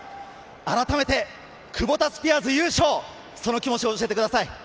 改めてクボタスピアーズ優勝、その気持ちを教えてください。